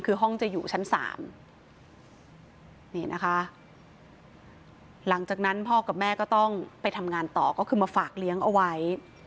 คือห้องจะอยู่ชั้น๓นี่นะคะหลังจากนั้นพ่อกับแม่ก็ต้องไปทำงานต่อก็คือมาฝากเลี้ยงเอาไว้